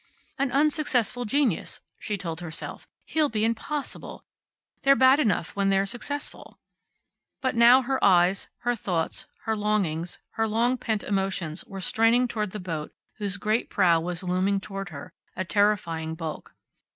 "An unsuccessful genius," she told herself. "He'll be impossible. They're bad enough when they're successful." But now her eyes, her thoughts, her longings, her long pent emotions were straining toward the boat whose great prow was looming toward her, a terrifying bulk.